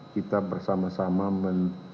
kita bersama sama men